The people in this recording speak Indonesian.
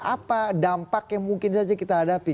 apa dampak yang mungkin saja kita hadapi